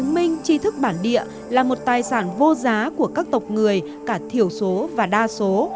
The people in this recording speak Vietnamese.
minh chi thức bản địa là một tài sản vô giá của các tộc người cả thiểu số và đa số